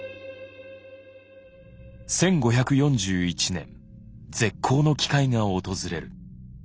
１５４１年絶好の機会が訪れる。